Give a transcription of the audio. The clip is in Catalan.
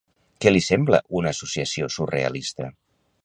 Què li sembla una associació surrealista?